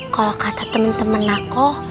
kalau kata temen temen aku